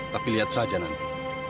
tapi lihat saja nanti